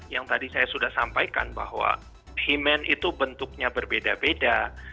yang tadi saya sudah sampaikan bahwa human itu bentuknya berbeda beda